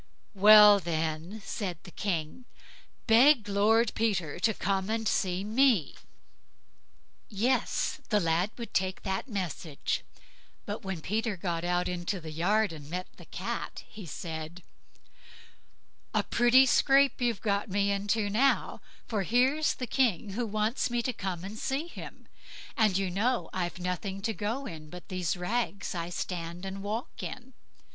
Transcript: "Well, then", said the King, "beg Lord Peter to come and see me." Yes, the lad would take that message; but when Peter got out into the yard again, and met the Cat, he said, "A pretty scrape you've got me into now, for here's the King, who wants me to come and see him, and you know I've nothing to go in but these rags I stand and walk in."